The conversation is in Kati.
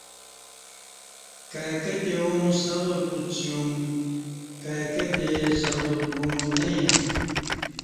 کائی کتی اوں صبر کوڅیوم کائی کتی صبر کو نہ یینہ